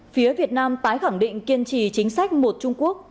một mươi phía việt nam tái khẳng định kiên trì chính sách một trung quốc